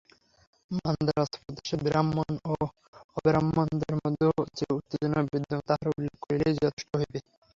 মান্দ্রাজ-প্রদেশে ব্রাহ্মণ ও অব্রাহ্মণদের মধ্যে যে উত্তেজনা বিদ্যমান, তাহার উল্লেখ করিলেই যথেষ্ট হইবে।